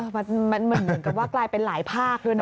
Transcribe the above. มันเหมือนกับว่ากลายเป็นหลายภาคด้วยนะ